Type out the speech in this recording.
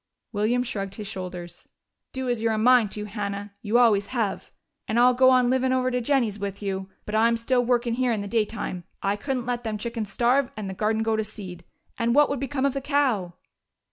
William shrugged his shoulders. "Do as you're a mind to, Hannah you always have. And I'll go on livin' over to Jennie's with you. But I'm still workin' here in the daytime. I couldn't let them chickens starve and the garden go to seed. And what would become of the cow?"